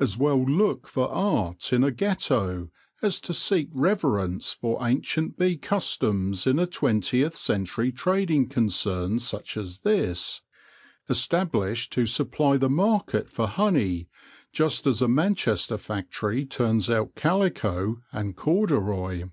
As well look for art in a Ghetto as to seek reverence for ancient bee customs in a twentieth century trading concern such as this, established to supply the market for honey just as a Manchester factory turns out calico and corduroy.